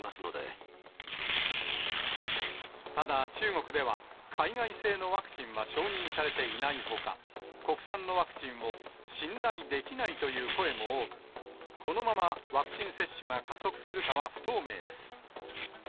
ただ、中国では、海外製のワクチンは承認されていないほか、国産のワクチンを信頼できないという声も多く、このままワクチン接種が加速するかは不透明です。